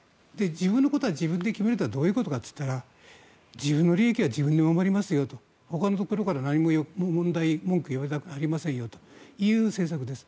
自分のことは自分で決めるのはどういうことかというと自分の利益は自分で守りますよとほかのところから何も文句言われたくありませんよという政策です。